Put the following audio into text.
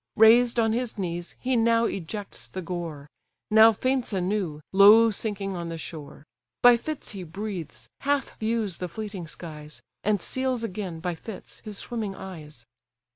Raised on his knees, he now ejects the gore; Now faints anew, low sinking on the shore; By fits he breathes, half views the fleeting skies, And seals again, by fits, his swimming eyes.